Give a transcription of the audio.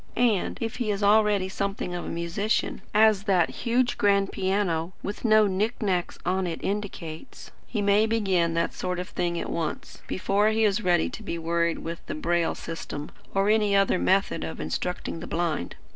And, if he is already something of a musician, as that huge grand piano, with no knick knacks on it indicates, he may begin that sort of thing at once, before he is ready to be worried with the Braille system, or any other method of instructing the blind.